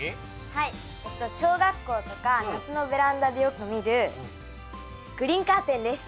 小学校とか夏のベランダでよく見るグリーンカーテンです。